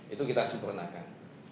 itu kita sempurnakan